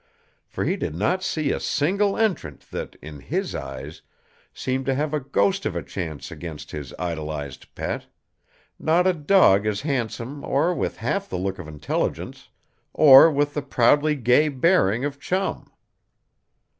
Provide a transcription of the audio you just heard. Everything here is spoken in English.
For he did not see a single entrant that, in his eyes, seemed to have a ghost of a chance against his idolized pet not a dog as handsome or with half the look of intelligence or with the proudly gay bearing of Chum.